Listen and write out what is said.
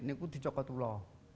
ini saya di jokotulo